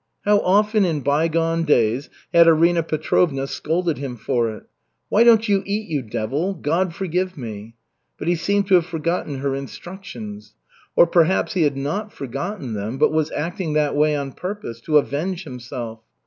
How often, in bygone days, had Arina Petrovna scolded him for it. "Why don't you eat, you devil God forgive me." But he seemed to have forgotten her instructions. Or perhaps he had not forgotten them, but was acting that way on purpose, to avenge himself.